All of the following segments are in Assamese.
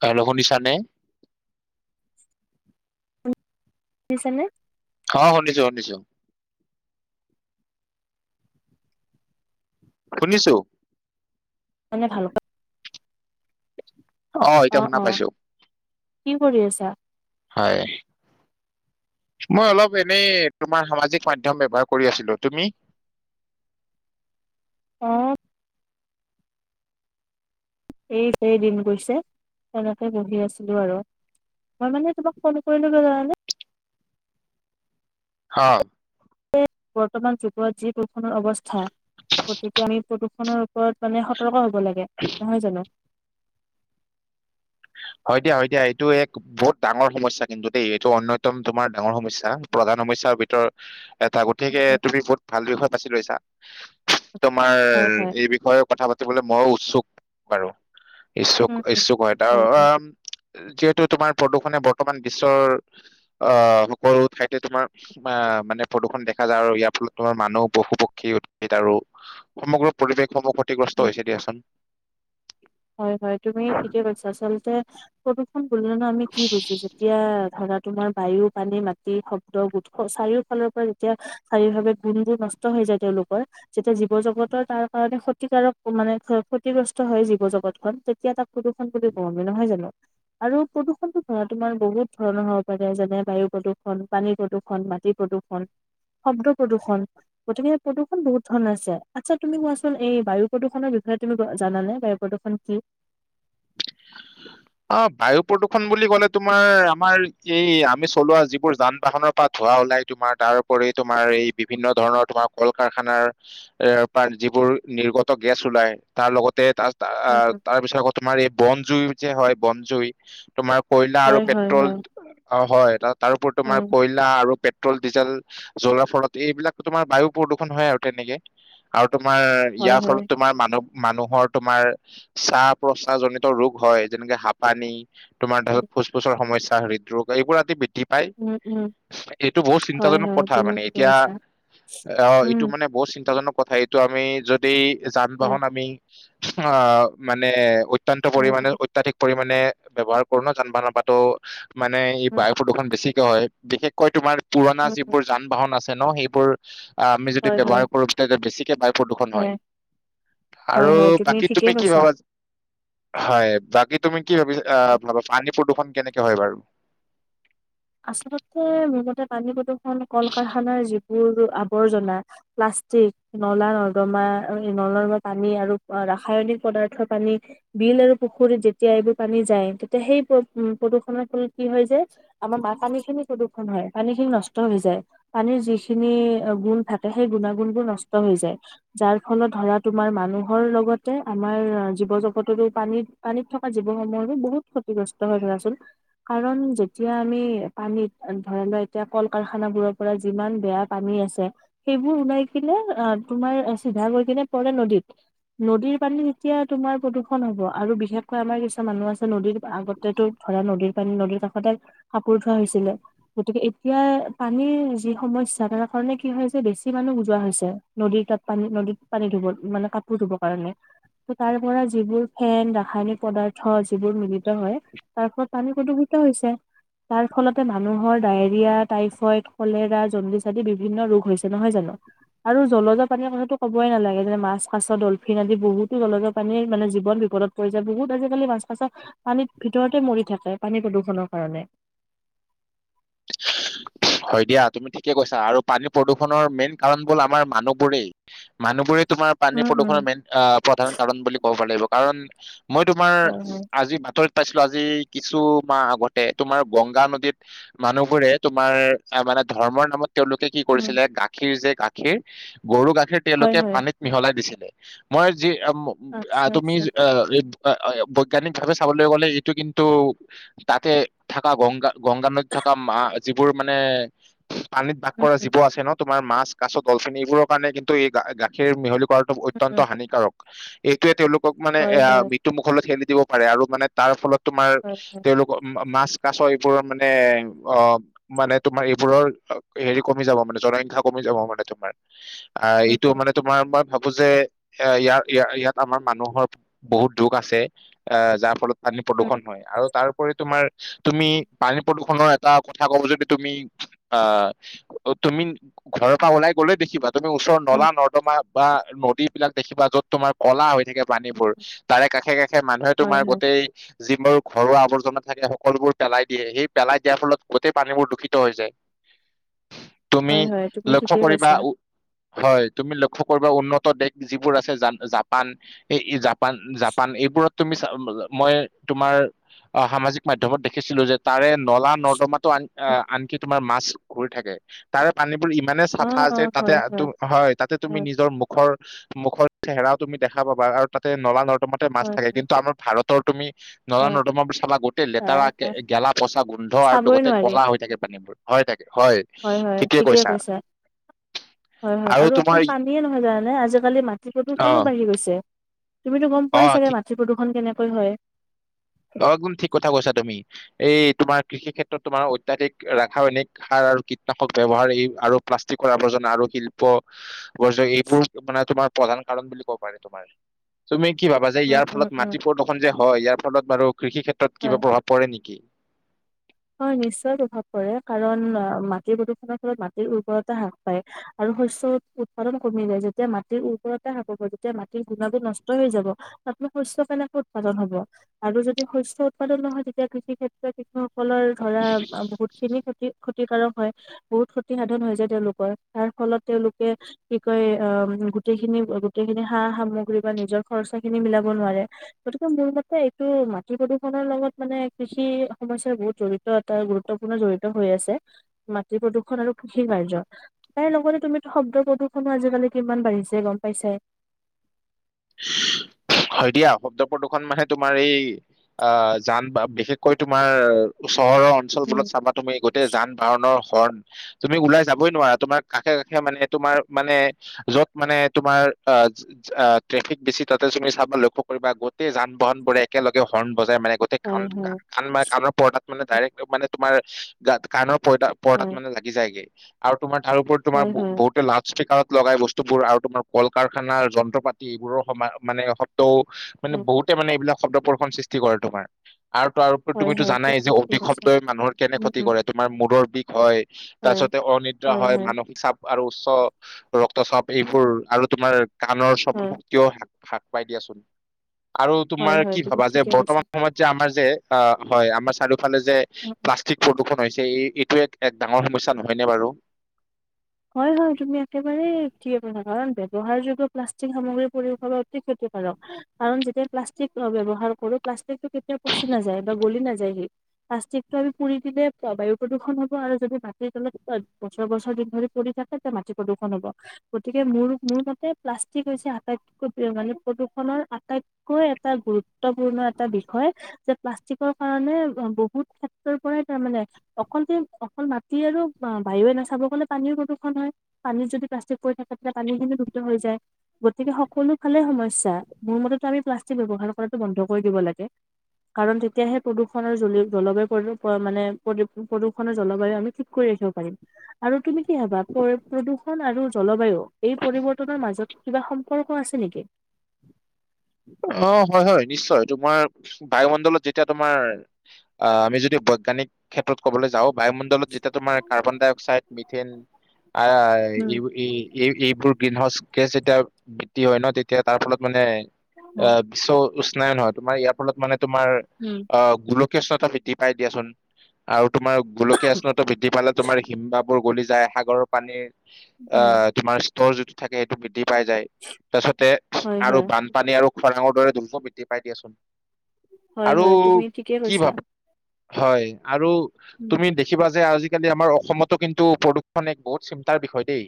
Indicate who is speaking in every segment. Speaker 1: হেল্লো শুনিছা নে
Speaker 2: শুনিছানে
Speaker 1: অ' শুনিছোঁ শুনিছোঁ শুনিছোঁ
Speaker 2: মানে ভালকৈ
Speaker 1: [inaudible] এতিয়া
Speaker 2: অ'
Speaker 1: শুনা
Speaker 2: অ'
Speaker 1: পাইছো।
Speaker 2: কি কৰি আছা
Speaker 1: হয় মই অলপ এনেই তোমাৰ সামাজিক মাধ্যম ব্যৱহাৰ কৰি আছিলোঁ তুমি
Speaker 2: অ' এই সেইদিন গৈছে তেনেকে বহি আছিলো আৰু মই মানে তোমাক ফোন কৰিলো কিয় জানানে
Speaker 1: [inaudible]
Speaker 2: বৰ্তমান যুগত যি প্ৰদূষণৰ অৱস্থা গতিকে আমি প্ৰদূষ ষণৰ ওপৰত মানে সতৰ্ক হ'ব লাগে
Speaker 1: [inaudible]
Speaker 2: নহয় জানো
Speaker 1: হয় দিয়া হয় দিয়া এইটো এক বহুত ডাঙৰ সমস্যা কিন্তু দেই এইটো অন্য তম তোমাৰ ডাঙৰ সমস্যা প্ৰধান সমস্যাৰ ভিতৰত এটা গতিকে তুমি বহুত ভাল বিষয় বাছি লৈছা।
Speaker 2: হয়,
Speaker 1: তোমাৰ
Speaker 2: হয়,
Speaker 1: এই বিষয়ে কথা পাতিবলৈ মইও উৎসুক। বাৰু ইচ্ছুক ইচ্ছুক হয় তাৰ যিহেতু তোমাৰ প্ৰদূষণে বৰ্তমান বিশ্বৰ অ' সকলো ঠাইতে তোমাৰ মা মানে প্ৰদূষণ দেখা যায় আৰু ইয়াৰ ফলত তোমাৰ মানুহ, পশু পক্ষী, উদ্ভিদ আৰু সমগ্ৰ পৰিৱেশ সমূহ
Speaker 2: উম।
Speaker 1: ক্ষতিগ্ৰস্ত হৈছে দিয়াচোন।
Speaker 2: হয়, হয়, তুমি ঠিকে কৈছা, আচলতে প্ৰদূষণ বুলিলেনু আমি কি বুজো যেতিয়া ধৰাত তোমাৰ বায়ু, পানী, মাটি, শব্দ গোট চাৰিও ফালৰ পৰা যেতিয়া চাৰীও ভাৱে গুণবোৰ নষ্ট হৈ যায় তেওঁলোকৰ। যেতিয়া জীৱ জগতৰ তাৰ কাৰণে ক্ষতিকাৰক মানে ক্ষতিগ্ৰস্ত হয় জীৱ জগত তেতিয়া তাক প্ৰদূষণ বুলি কওঁ আমি, নহয় জানো? আৰু প্ৰদূষণতো ধৰা তোমাৰ বহুত ধৰণৰ হ'ব পাৰে, যেনে বায়ু প্ৰদূষণ, পানীৰ প্ৰদূষণ মাটি প্ৰদূষণ, শব্দ প্ৰদূষণ। গতিকে প্ৰদূষণ বহুত ধৰণৰ আছে, আচ্ছা তুমি কোৱাচোন, এই বায়ু প্ৰদূষণৰ বিষয়ে তুমি জানা নে, বায়ু প্ৰদূষণ কি?
Speaker 1: অ', বায়ু প্ৰদূষণ বুলি ক'লে তোমাৰ আমাৰ এই আমি চলোৱা যিবোৰ যান বাহনৰ পৰা ধোৱা ওলাই তোমাৰ, তাৰউপৰি তোমাৰ এই বিভিন্ন ধৰণৰ তোমাৰ কল কাৰখানাৰ এৰ পা যিবোৰ নিৰ্গত গেছ ওলাই, তাৰ লগতে তাত
Speaker 2: উম,
Speaker 1: অ', তাৰ পিছত আকৌ তোমাৰ এই বনজুই যে হয়, বনজুই তোমাৰ কয়লা
Speaker 2: হয়,
Speaker 1: আৰু
Speaker 2: হয়,
Speaker 1: পেট্ৰল,
Speaker 2: হয়,
Speaker 1: অ', হয়, তাৰ উপৰি
Speaker 2: হয়,
Speaker 1: তোমাৰ কইল লা আৰু পেট্ৰল, ডিজেল, জ্বলাৰ ফলত এইবিলাক তোমাৰ বায়ু প্ৰদূষণ হয়, আৰু তেনেকে। আৰু তোমাৰ
Speaker 2: হয়,
Speaker 1: ইয়াৰ ফলত
Speaker 2: হয়।
Speaker 1: তোমাৰ মানুহ মানুহৰ তোমাৰ শ্বাহ-প্ৰশ্বাহ জনিত ৰোগ হয়, যেনেকে হাঁপানি। তোমাৰ তাপিচত ফোজফুচৰ সমস্যা হৃদৰোগ, এইবোৰ আদি বৃদ
Speaker 2: উম, উম।
Speaker 1: এইটো বহুত
Speaker 2: হয়,
Speaker 1: চিন্তাজনক
Speaker 2: হয়,
Speaker 1: কথা,
Speaker 2: তুমি
Speaker 1: মানে
Speaker 2: ঠিকে
Speaker 1: এতিয়া
Speaker 2: কৈছা।
Speaker 1: অ',
Speaker 2: উম,
Speaker 1: এইটো মানে বহুত চিন্তাজনক কথা, এই টো আমি যদি যান
Speaker 2: হয়,
Speaker 1: বাহন আমি অ', মানে উৎ অত্যন্ত
Speaker 2: উম,
Speaker 1: পৰিমণে,
Speaker 2: উম,
Speaker 1: অত্যাধিক পৰিমানে ব্যৱহাৰ কৰো ন', যান বাহন বা তও মানে ই
Speaker 2: উম,
Speaker 1: বায়ু প্ৰদূষণ বেছিকে হয়, বিশেষকৈ তোমাৰ পুৰণা
Speaker 2: উম,
Speaker 1: যিবোৰ যান বাহন আছে ন' সেইবোৰ আমি
Speaker 2: হয়,
Speaker 1: যদি
Speaker 2: হয়,
Speaker 1: ব্যৱহাৰ কৰোঁ, তেতিয়া বেছিকে বায়ু প্ৰদূষণ হয়।
Speaker 2: হয়,
Speaker 1: আৰু
Speaker 2: হয়,
Speaker 1: বাকী
Speaker 2: ঠিকেই
Speaker 1: তুমি কি
Speaker 2: কৈছা।
Speaker 1: ভাবা? হয়, বাকী তুমি কি ভাবিছা, আহ, পানী প্ৰদূষণ কেনেকে হয় বাৰু?
Speaker 2: আচলতে মোৰ মতে পানী প্ৰদূষণ কল-কাৰখানাৰ যিবোৰ আৱৰ্জনা প্লাষ্টিক নলা-নৰ্দমা আৰু নলমা পানী আৰু ৰাসায়নিক পদাৰ্থৰ পানী বিল আৰু পুখুৰীত যেতিয়া এইবোৰ পানী যায়, তেতিয়া সেই প্ৰদূষনৰ ফলত কি হয় যে আমাৰ মা পানী খিনি প্ৰদূষণ হয়, পানী খিনি নষ্ট হৈ যায়। পানীৰ যিখিনি গুণ থাকে, সেই গুণাগুণবোৰ নষ্ট হৈ যায়। যাৰ ফলত ধৰা তোমাৰ মানুহৰ লগতে, আমাৰ জীৱ জগততো পানীত পানীত থকা জীৱসমূহৰোঁ বহুত ক্ষতিগ্ৰস্ত হৈ ধৰাচোন, কাৰণ এতিয়া আমি পানীত ধৰি লোৱা এতিয়া কল-কাৰখানা বোৰৰ পৰা যিমান বেয়া পানী আছে সেইবোৰ ওলাই কিনে, অ', তোমাৰ চিধা গৈ কিনে পৰে নদীত। নদীৰ পানীত এতিয়া তোমাৰ প্ৰদূষণ হ'ব, আৰু বিশেষকৈ আমাৰ কিছুমান মানুহ আছে নদীৰ আগতেতো ধৰা নদীৰ পানী নদীৰ কাষতে কাপোৰ ধোৱা হৈছিলে। গতিকে এতিয়া পানীৰ যি সমস্যা তাৰ কাৰণে কি হৈছে, বেছি মানুহ বুযোৱা হৈছে। নদীৰ তাত পানী নদীত পানী ধুব, মানে কাপোৰ ধুবৰ কাৰণে। তাৰ পৰা যিবোৰ ফেন ৰাসায়নিক পদাৰ্থ যিবোৰ মিলিত হয় তাৰ ফলত পানী প্ৰদূষিত হৈছে। তাৰ ফলতে মানুহৰ ডায়েৰিয়া, টাইফইড, কলেৰা জণ্ডিছ আদি বিভিন্ন ৰোগ হৈছে, নহয় জানো? আৰু জলজ পানীৰ কথাটো কবই নালাগে, যে মাছ, কাছ ডলফিন আদি বহুতো জলজ পানীৰ মানে জীৱন বিপদত পৰিছে, বহুত আজি কালি মাছ, কাছ, পানীত ভিতৰতে মৰি থাকে, পানী প্ৰদূষণৰ কাৰণে।
Speaker 1: [unintelligible] হয় দিয়া তুমি ঠিকে কৈছা, আৰু পানী প্ৰদূষণৰ মেইন কাৰণ হ'ল আমাৰ মানুহবোৰেই। মানুহবোৰে তোমাৰ পানী
Speaker 2: উম, উম,
Speaker 1: প্ৰদূষণৰ মেইন আহ প্ৰধান কাৰণ বুলি ক'ব লাগিব, কাৰণ মই তোমাৰ
Speaker 2: হয়, হয়।
Speaker 1: আজি বাটইট পাইছিলো, আজি কিছু মাহ আগতে তোমাৰ গংগা নদীত মানুহবোৰে তোমাৰ, আ মানে ধৰ্মৰ নামত তেওঁলোকে কি
Speaker 2: উম,
Speaker 1: কৰিছিলে, গাখীৰ যে গা খীৰ, গৰু গাখীৰ
Speaker 2: হয়,
Speaker 1: তেওঁলোকে
Speaker 2: হয়,
Speaker 1: পানীত মিহলাই দিছিলে, মই যি আম আহ
Speaker 2: আচ্ছা,
Speaker 1: তুমি,
Speaker 2: আচ্ছা,
Speaker 1: যি এ এই আ অয় অ বৈজ্ঞানিকভাৱে চাবলৈ গ'লে, এইটো কিন্তু তাতে থাকা গংগা, গংগা নৈ থকা মা যিবোৰ মানে, পানীত বাস
Speaker 2: উম,
Speaker 1: কৰা
Speaker 2: উম,
Speaker 1: জীৱ আছে ন' তোমাৰ মাছ, কাছ, ডলফিনি এইবোৰৰ কাৰণে কিন্তু এই, গা গাখীৰ মিহলি কৰাটো
Speaker 2: উম,
Speaker 1: অত্যন্ত
Speaker 2: উম,
Speaker 1: হানিকাৰক। এইটোৱে, তেওঁলোকক মানে
Speaker 2: হয়,
Speaker 1: এ, আ
Speaker 2: হয়,
Speaker 1: মৃত্যুমুুখলৈ থেলি দিব পাৰে, আৰু মানে তাৰ ফলত তোমাৰ,
Speaker 2: হয়, হয়,
Speaker 1: তেওঁলোকৰ মা মাছ, কাছ এইবোৰৰ মানে অ', মানে তোমাৰ এইবোৰৰ অ হেৰি, কমি যাব মানে জনসংখ্যা কমি যাব মানে তোমাৰ। আহ,
Speaker 2: উম,
Speaker 1: এইটো
Speaker 2: উম,
Speaker 1: মানে তোমাৰ মই ভাবো যে, এ, ইয়াৰ ইয়াৰ, ইয়াত আমাৰ মানুহৰ বহুত দুখ আছে, আহ যাৰ ফলত পানী
Speaker 2: উম,
Speaker 1: প্ৰদূৰষণ হয় আৰু তাৰোপৰি তোমাৰ, তুমি পানী প্ৰদূষণৰ এ টা কথা ক'বলে যে তুমি, আ তুমি ঘৰৰ পা ওলাই গ'লেই দেখিবা তুমি ওচৰৰ
Speaker 2: উম,
Speaker 1: নলা, নৰ্দমা বা নদী বিলাক দেখিবা, য'ত তোমাৰ ক'লা হৈ থাকে পানীবোৰ,
Speaker 2: উম,
Speaker 1: তাৰে কাষে, কাষে, মানুহে
Speaker 2: হয়,
Speaker 1: তোমাৰ
Speaker 2: হয়।
Speaker 1: গোটেই যিবোৰ ঘৰুৱা আৱৰ্জনা থাকে সকলোবোৰ পেলাই দিয়ে, সেই পেলাই দিয়াৰ ফলত গোটেই পানীবোৰ দূষিত হৈ যায়, তুমি
Speaker 2: হয় হয় তুমি
Speaker 1: লক্ষ্য
Speaker 2: ঠিকেই
Speaker 1: কৰিবা
Speaker 2: কৈছা।
Speaker 1: উ হয়, তুমি লক্ষ্য কৰিবা, উন্নত দেশ যিবোৰ আছে, জান জাপান এই এই জাপান, জাপান এইবোৰত তুমি চা মই তোমাৰ অ', সামাজিক মাধ্যমত দেখিছিলো যে, তাৰে নলা নদ ত', আ
Speaker 2: অ
Speaker 1: আনকি তোমাৰ মাছ, ঘূৰি থাকে, তাৰে পানীবোৰ ইমানে
Speaker 2: অ
Speaker 1: চাফা যে, তাতে তো, হয়, তাতে তুমি
Speaker 2: হয়
Speaker 1: নিজৰ মুখৰ মুখৰ থেহেৰাও তুমি দেখা পাবা আৰু তাতে নলা নৰ্দমাতে মাছ
Speaker 2: হয়
Speaker 1: থাকে,
Speaker 2: হয়
Speaker 1: কিন্তু আমাৰ ভাৰতৰ তুমি
Speaker 2: হয়
Speaker 1: নলা-নৰ্দমাবোৰ চাবা গোটেই লেতেৰা,
Speaker 2: নাই
Speaker 1: গে
Speaker 2: নাই
Speaker 1: গেলা পচা, গোন্ধ আৰ
Speaker 2: চাবই নোৱাৰি
Speaker 1: হৈ থাকে পানীবোৰ, হয় থাকে, হয়।
Speaker 2: হয়, হয়,
Speaker 1: ঠিকেই
Speaker 2: ঠিকে
Speaker 1: কৈছা
Speaker 2: কৈছে। হয়, হয় আৰু অকল পানীয়ে নহয় জানানে, আজিকালি মাটি
Speaker 1: অ
Speaker 2: প্ৰদূষণো বাঢ়ি গৈছে। তুমিতো গম
Speaker 1: অ
Speaker 2: পোৱাই চাগে
Speaker 1: ঠিক
Speaker 2: মাটি প্ৰদূষণ কেনেকৈ হয়?
Speaker 1: অ', গুণ ঠিক কথা কৈছা তুমি, এই তোমাৰ কৃষি ক্ষেত্ৰত তোমাৰ, অত্যাধিক ৰাসায়নিক সাৰ আৰু কীটনাশক ব্যৱহাৰ এই আৰু প্লাষ্টিকৰ আৱৰ্জনা আৰু শিল প ব্ৰজ, এইবোৰ মানে তোমাৰ প্ৰধান কাৰণ বুলি কব পাৰি তোমাৰ। তুমি কি ভাবা যে
Speaker 2: উম
Speaker 1: ইয়াৰ
Speaker 2: উম
Speaker 1: ফলত
Speaker 2: উম
Speaker 1: মাটি প্ৰদূষণ যে হয়, ইয়াৰ ফলত বাৰু, কৃষি ক্ষেত্ৰত
Speaker 2: হয়
Speaker 1: কিবা প্ৰভাৱ পৰে নিকি?
Speaker 2: হয় নিশ্চয় প্ৰভাৱ পৰে, কাৰণ আ মাটি প্ৰদূষণৰ ফলত, মাটিৰ উৰ্বৰতা হ্ৰাস পায়। আৰু শস্যৰ উ উৎপাদন কমি যায়, যেতিয়া উৰ্বৰতা হ্ৰাস পাব, তেতিয়া মাটিৰ গুণা গুণ নষ্ট হৈ যাব। তাতনো শস্য কেনেকৈ উৎপাদন হ'ব, আৰু যদি শস্য উৎপাদন নহয়, তেতিয়া কৃষি ক্ষেত্ৰত কৃষক সকলৰ ধৰা, আ বহুত খিনি ক্ষতি, ক্ষতিকাৰক হয়। বহুত ক্ষতিসাধন হৈ যায় তেওঁলোকৰ, তাৰ ফলত তেওঁলোকে কি কয়, অ', গোটেইখিনি, গোটেইখিনি সা-সামগ্ৰী বা নিজৰ খৰচা খিনি মিলাব নোৱাৰে। গতিকে মোৰ মতে, এইটো মাটি প্ৰদূষণৰ লগত মানে কৃষি সমস্যা বহুত জড়িত এটা গুৰুত্বপূৰ্ণ জড়িত হৈ আছে মাটি আৰু কৃষি কাৰ্য। তাৰ লগতে তুমিতো শব্দ প্ৰদূষণো আজিকালি কিমান বাঢ়িছে গম পাইছাই।
Speaker 1: হয় দিয়া শব্দ প্ৰদূষন মানে তোমাৰ এই অ', জান বা বিশেষকৈ তোমাৰ চহৰৰ অঞ্চল বোৰত
Speaker 2: উম
Speaker 1: চাবা তুমি গোটেই যান বাহনৰ হৰ্ণ তুমি ওলাই যাবই নোৱাৰা তোমাৰ কাষে কাষে মানে তোমাৰ মানে য'ত মানে তোমাৰ আ আ ট্ৰেফিক বেছি তাতে তুমি চাবা লক্ষ্য কৰিবা গোটেই যান বাহন বোৰে একেলগে হৰ্ণ বজাই মানে গোট টে কাণ
Speaker 2: হয়
Speaker 1: কাণ
Speaker 2: হয়
Speaker 1: কাণৰ পৰ্দাত মানে ডাইৰেক্ট মানে তোমাৰ গাত কাণৰ পৰ্দা পৰ্দাত
Speaker 2: হয়
Speaker 1: মানে লাগি যায়গে আৰু তোমাৰ তাৰোওপৰত তোমাৰ
Speaker 2: হয়
Speaker 1: ব বহুতে লাভ স্পিকাৰত লগাই বস্তুবোৰ আৰু তোমাৰ কল কাৰখানাৰ যন্ত্ৰ পাতি এইবোৰৰ সমা মানে সত ত' মানে
Speaker 2: হয়
Speaker 1: বহুতে মানে এইবিলাক শব্দপ্ৰদুষণ সৃষ্টি কৰে তোমাৰ আৰু ত আৰু
Speaker 2: হয়
Speaker 1: তুমিতো
Speaker 2: হয়
Speaker 1: জানাই
Speaker 2: তুমি
Speaker 1: যে
Speaker 2: ঠিকে কৈছা
Speaker 1: অতিশব্দই মানুহৰ কেনে
Speaker 2: উম
Speaker 1: ক্ষতি
Speaker 2: উম
Speaker 1: কৰে তোমাৰ মূৰৰ বিষ হয়
Speaker 2: হয়
Speaker 1: তাৰপিছতে অনিদ্ৰা হয় মানসিক চাপ আৰু উচ্চ ৰক্তচাপ এইবোৰ আৰু তোমাৰ কাণৰ
Speaker 2: হয়
Speaker 1: শক্তি অ সাক সাক পাই দিয়াচোন আৰু
Speaker 2: হয়
Speaker 1: তোমাৰ
Speaker 2: হয়
Speaker 1: কি
Speaker 2: তুমি
Speaker 1: ভাবা যে
Speaker 2: ঠিকে
Speaker 1: বৰ্তমান
Speaker 2: কৈছা
Speaker 1: সময়ত যে আমাৰ যে আ হয় আমাৰ চাৰিওফালে যে প্লাষ্টিক প্ৰদূষণ হৈছে এই এইটো এক এক ডাঙৰ সমস্যা নহয়নে বাৰু।
Speaker 2: হয় হয় তুমি একেবাৰে ঠিকে কথা কলা কাৰণ ব্যৱহাৰ যোগেও প্লাষ্টিক সামগ্ৰী পৰিৱেশ অতি ক্ষতিকাৰক। কাৰণ যেতিয়া প্লাষ্টিক ব্যৱহাৰ কৰো প্লাষ্টিকটো কেতিয়া পচি নাযায় বা গলি নাযায় হি প্লাষ্টিকটো আমি পুৰি দিলে বায়ু প্ৰদূষণ হ'ব আৰু যদি মাটিৰ তলত বছৰ বছৰ দিন ধৰি কৰি থাকে ত মাটি প্ৰদূষণ হব। গতিকে মোৰ মোৰ মতে প্লাষ্টিক হৈছে আটাইতকৈ মানে প্ৰদূষণৰ আটাইত কৈ এটা গুৰুত্বপূৰ্ণ এটা বিষয়। যে প্লাষ্টিকৰ কাৰণে বহুত ক্ষেত্ৰৰ পৰাই তাৰমানে অকল কি অকল মাটি আৰু বায়ুয়ে নাচাব গলে পানীৰ প্ৰ দুষণ হয় পানীত যদি প্লাষ্টিক পৰি থাকে তেতিয়া পানী খিনি দূষিত হৈ যায়। গতিকে সকলো ফালে সমস্যা মোৰ মতেটো আমি প্লাষ্টিক ব্যৱহাৰ কৰাটো বন্ধ কৰি দিব লাগে। কাৰণ তেতিয়াহে প্ৰদূষণৰ জলি জলবায়ু প্ৰদীপ মানে প্ৰদ প্ৰদূষণৰ জলবায়ু আমি ঠিক কৰি ৰাখিব পাৰিম আৰু তুমি কিহবা প্ৰ প্ৰদূষণ আৰু জলবায়ু এই পৰিৱৰ্তনৰ মাজত কিবা সম্পৰ্ক আছে নিকি
Speaker 1: অ', হয় হয় নিশ্চয় তোমাৰ বায়ুমণ্ডলত যেতিয়া তোমাৰ আ আমি যদি বৈজ্ঞানিক ক্ষেত্ৰত ক'বলে যাওঁ বায়ুমণ্ডলত যেতিয়া তোমাৰ কাৰ্বন ডাই অক্সাইড মিথেন আ আ
Speaker 2: উম,
Speaker 1: ইউ ই এই এইবোৰ গ্ৰীণ হাউচ গেছ যেতিয়া বৃদ্ধি হয় ন তেতিয়া তাৰ ফলত মানে
Speaker 2: উম,
Speaker 1: অহ বিশ্ব উষ্ণান নহয় তোমাৰ ইয়াৰ ফলত মানে তোমাৰ
Speaker 2: উম,
Speaker 1: অ গোকল কেচৱাতা বৃদ্ধি পাই দিয়াচোন আৰু তোমাৰ গোলকীয় উষ্ণতা বৃদ্ধি পালে তোমাৰ হিম বাহ- বোৰ গলি যায় সাগৰৰ পানীৰ
Speaker 2: উম,
Speaker 1: আহ তোমাৰ স্তৰ যিটো থাকে সেইটো বৃদ্ধি পাই যায়। তাৰছতে
Speaker 2: হয়,
Speaker 1: আৰু
Speaker 2: হয়,
Speaker 1: বানপানী আৰু খৰাঙৰ দৰে জলটো বৃদ্ধি পাই দিয়াচোন।
Speaker 2: হয়,
Speaker 1: আৰু
Speaker 2: হয়, তুমি ঠিকে
Speaker 1: কি
Speaker 2: কৈছা।
Speaker 1: ভাব হয় আৰু
Speaker 2: উম।
Speaker 1: তুমি দে দেখিবা যে আজিকালি আমাৰ অসমতো কিন্তু প্ৰদূষণ এক চিন্তাৰ বিষয় দেই।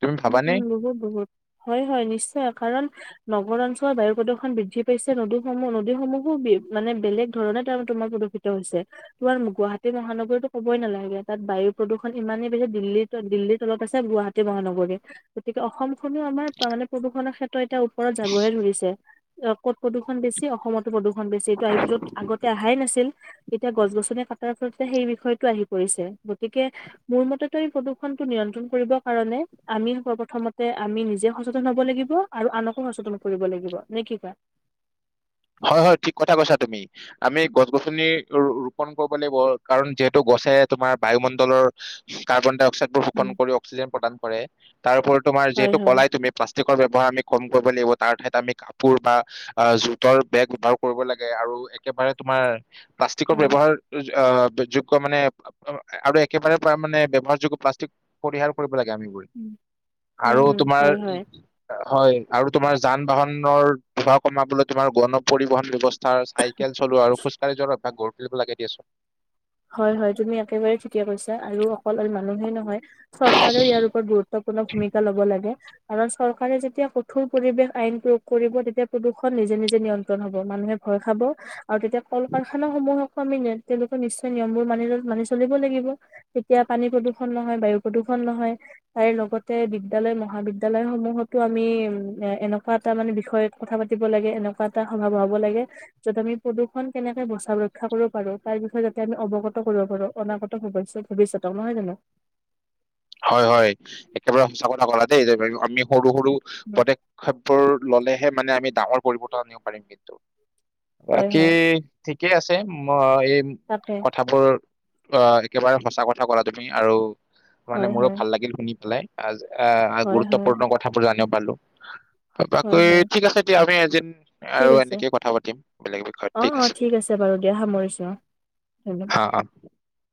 Speaker 1: তুমি
Speaker 2: উম
Speaker 1: ভাবানে?
Speaker 2: উম বহুত বহুত হয় হয় নিশ্চয় কাৰণ- নগৰ অঞ্চলৰ বায়ু প্ৰদূষণ বৃদ্ধি পাইছে নদীসমূহ নদীসমূহো মানে বেলেগ ধৰণে তে তোমাৰ প্ৰদূষ ত হৈছে তোমাৰ গুৱাহাটী মহানগৰীতো ক'বই নালাগে তাত বায়ু প্ৰদূষণ ইমানেই বেছি দিল্লীৰ দিল্লীৰ তলত আছে গুৱাহাটী মহানগৰ গতিকে অসম খনো আমাৰ মানে প্ৰদূষণৰ ক্ষেত্ৰ এতিয়া ওপৰত যাবহে ধৰিছে। অ কত প্ৰদূষণ বেছি অসমত প্ৰদূষণ বেছি এইটো য'ত আগতে অহাই নাছিল তেতিয়া গছ গছনি কাটাৰ ফলত সেই বিষয়টো আহি পৰিছে গতিকে মোৰ মতেটো এই পদূষনটো নিয়ন্ত্ৰণ কৰিবৰ কাৰণে আমি সৰপ্ৰথমতে আমি নিজে সচেতন হব লাগিব আৰু আনকো সচেতন কৰিব লাগিব নে কি কোৱা
Speaker 1: হয় হয় ঠিক কথা কৈছা তুমি আমি গছ গছনি ৰোপন কৰিব লাগিব কাৰণ যিহেতু গছে তোমাৰ বায়ুমণ্ডলৰ কাৰ্বন ডাই অক্সাইডবোৰ শোষণ
Speaker 2: উম,
Speaker 1: কৰিক্সিজেন প্ৰদান কৰে তাৰ উপৰত তোমাৰ
Speaker 2: হয়
Speaker 1: যিহেতু
Speaker 2: হয়
Speaker 1: কলাই তুমি প্লাষ্টিকৰ ব্যৱহাৰ আমি কম কৰিব লাগিব তাৰ ঠাইত আমি কাপোৰ বা জু তোৰ বেগ ব্যৱহাৰ কৰিব লাগে আৰু একেবাৰে তোমাৰ প্লাষ্টিকৰ
Speaker 2: হয়
Speaker 1: ব্যৱহাৰ অ দোযুক মানে অ আৰু একেবাৰে পৰা মানে ব্যৱহাৰযোগ্য প্লাষ্টিক পৰিহাৰ কৰিব লাগে আমি বোৰে
Speaker 2: উম
Speaker 1: আৰু
Speaker 2: হম
Speaker 1: তোমাৰ
Speaker 2: হয় হয়
Speaker 1: হয় আৰু তোমাৰ যান বাহনৰ ভাড়া কমাবলৈ তোমাৰ গণ পৰিবহন ব্যয়ৱস্থা ফাৰ্চ চাইকেল চলোৱা আৰু খোজ কাঢ়ি যোৱাৰ এটা গঢ় তুলিব লাগে দিয়া চোন
Speaker 2: হয় হয় তুমি একেবাৰে ঠিকে কৈছা আৰু অকল মানুহেই নহয় চৰকাৰেও ইয়াৰ ওপৰত গুৰুত গুত্বপূৰ্ণ ভূমিকা ল'ব লাগে কাৰণ চৰকাৰে যেতিয়া কঠোৰ পৰিৱেশ আইন প্ৰয়োগ কৰিব তেতিয়া প্ৰদূষণ নিজে নিজে নিয়ন্ত্ৰণ হব মানুহে ভয় খাব আৰু তেতিয়া কল কাৰখানা সমূহকো আমি তেওঁলোকে নি্চয় নিয়মবোৰ মানি মানি চলিব লাগিব তেতিয়া পানী প্ৰদূষণ নহয় বায়ু প্ৰদূষণ নহয় তাৰ লগতে বিদ্যয়ালয় মহাবিদ্যয়ালয় সমূহতো আমি এ এনেকুৱা এটা মানে বিষয় কথা পাতিব লাগে এনেকুৱা এটা সম্ভাৱ হব লাগে য'ত আমি প্ৰদূষণ কেনেকে বচা ৰক্ষা কৰিব পাৰো তাৰ বিষয়ে ইয়াৰ আমি অৱগত কৰিব পাৰো অনাগত হয় ভৱিষ্যত নহয় জানো
Speaker 1: হয় হয় একেবাৰে সঁচা কথা কলা দেই আমি সৰু সৰু প্ৰতেক উসৱবোৰ ললেহে মানে আমি ডাঙৰ পৰিৱৰ্তন আনিব পাৰিম কিন্তু
Speaker 2: হয়
Speaker 1: বাকী
Speaker 2: হয়
Speaker 1: ঠিকে আছে মই এই
Speaker 2: তাকে
Speaker 1: কথাবোৰ অ একেবাৰে সঁচা কথা ক'লা তুমি আৰু মানে
Speaker 2: হয়
Speaker 1: মোৰো
Speaker 2: হয়
Speaker 1: ভাল লাগিল শুনি পেলাই আহ
Speaker 2: হয় হয়
Speaker 1: গুৰুত্বপূৰ্ণ কথাবোৰ জানিব পালো
Speaker 2: হয়
Speaker 1: বাকী
Speaker 2: হয়
Speaker 1: ঠিক আছে দিয়া আমি এদিন
Speaker 2: ঠিক
Speaker 1: আৰু
Speaker 2: আছে
Speaker 1: এনেকে কথা পাতিম বেলেগ বিষয়ত
Speaker 2: অ অ ঠিক আছে বাৰু দিয়া সামৰিছো অ
Speaker 1: অ
Speaker 2: ধন্যবাদ
Speaker 1: অ